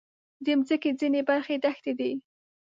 د مځکې ځینې برخې دښتې دي.